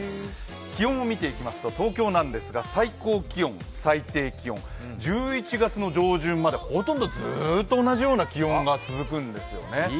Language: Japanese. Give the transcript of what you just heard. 気温を見ていきますと、東京なんですが最高気温、最低気温、１１月の上旬までほとんどずーっと同じような気温が続くんですよね。